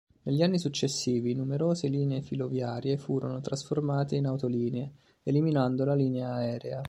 Negli anni successivi numerose linee filoviarie furono trasformate in autolinee, eliminando la linea aerea.